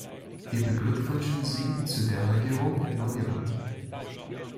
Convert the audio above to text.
Wir beglückwünschen Sie zu der Regierung in Nordirland.